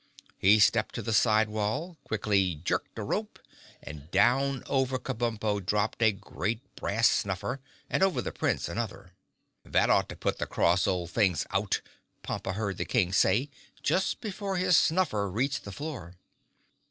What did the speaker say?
He stepped to the side wall, quickly jerked a rope and down over Kabumpo dropped a great brass snuffer and over the Prince another. "That ought to put the cross old things out," Pompa heard the King say just before his snuffer reached the floor.